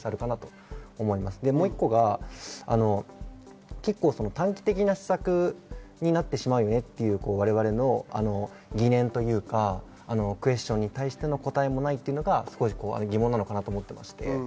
もう一個が短期的な施策になってしまうよねという我々の疑念というかクエスチョンに対しての答えもないのが少し疑問なのかなと思います。